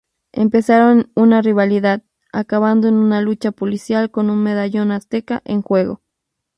Empezaron una rivalidad, acabando en una lucha policial con un "medallón azteca" en juego.